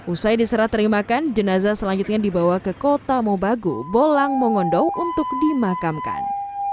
usai diserah terimakan jenazah selanjutnya dibawa ke kota mobagu bolang mongondow untuk dimakamkan